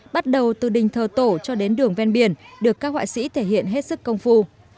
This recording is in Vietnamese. bắt đầu từ đình thờ tổ cho đến đường ven biển được các họa sĩ thể hiện hết sức công phu